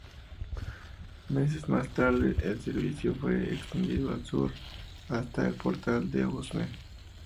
Meses más tarde el servicio fue extendido al sur, hasta el Portal de Usme.